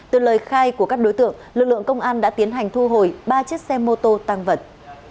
từ lời khai của các đối tượng lực lượng công an đã tiến hành thu hồi ba chiếc xe mô tô tăng vật